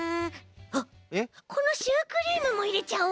あっこのシュークリームもいれちゃおう。